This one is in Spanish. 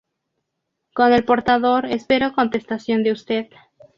Con el portador espero contestación de usted"".